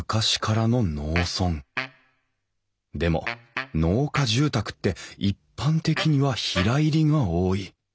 でも農家住宅って一般的には平入りが多い。